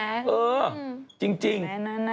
เออจริง